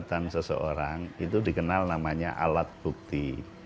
perbuatan seseorang itu dikenal namanya alat bukti